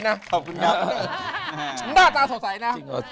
หน้าตาสดใสนะ